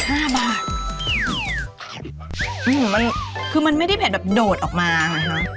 อืมมันคือมันไม่ได้เผ็ดแบบโดดออกมาไงคะ